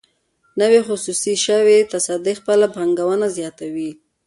نوې خصوصي شوې تصدۍ خپله پانګونه زیاتوي.